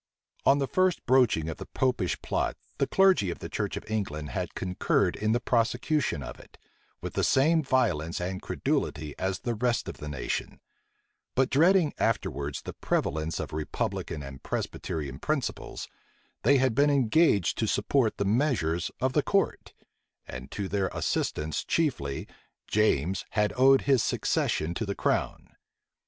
On the first broaching of the Popish plot, the clergy of the church of England had concurred in the prosecution of it, with the same violence and credulity as the rest of the nation: but dreading afterwards the prevalence of republican and Presbyterian principles, they had been engaged to support the measures of the court; and to their assistance chiefly, James had owed his succession to the crown.